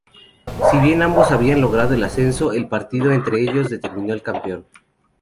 Si bien ambos habían logrado el ascenso, el partido entre ellos determinó al campeón.